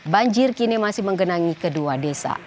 banjir kini masih menggenangi kedua desa